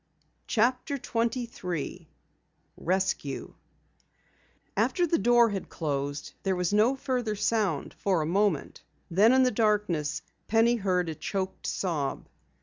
CHAPTER 23 RESCUE After the door had closed there was no further sound for a moment. Then in the darkness Penny heard a choked sob.